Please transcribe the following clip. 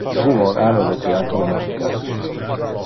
Simon ama le theatro musical.